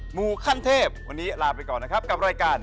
หมู่ขั้นเทพวันนี้ลาไปก่อนนะครับกับรายการ